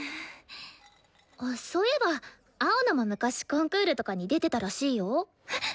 あっそういえば青野も昔コンクールとかに出てたらしいよ。